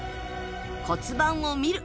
骨盤を見る！